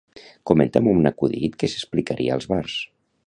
Comenta'm un acudit que s'explicaria als bars.